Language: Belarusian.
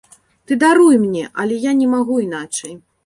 Ты даруй мне, але я не магу іначай.